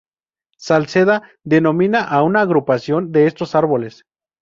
Salceda denomina a una agrupación de estos árboles.